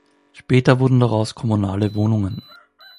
Später wurden daraus kommunale Wohnungen.